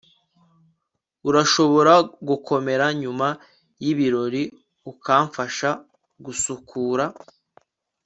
urashobora gukomera nyuma yibirori ukamfasha gusukura